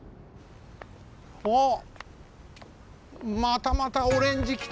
おっまたまたオレンジきた！